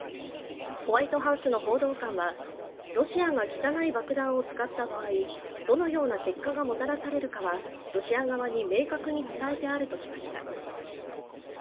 ホワイトハウスの報道官はロシアが汚い爆弾を使った場合どのような結果がもたらされるかはロシア側に明確に伝えてあるとしました。